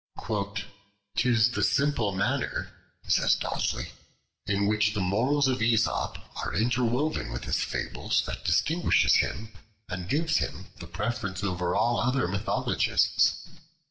"'Tis the simple manner," says Dodsley, "in which the morals of Aesop are interwoven with his fables that distinguishes him, and gives him the preference over all other mythologists.